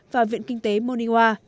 và viện kinh tế moniwa